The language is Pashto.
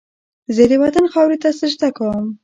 زه د وطن خاورې ته سجده کوم